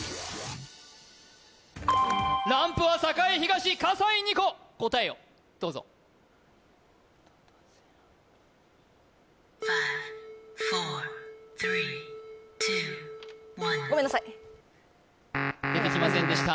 ランプは栄東笠井虹来答えをどうぞごめんなさい出てきませんでした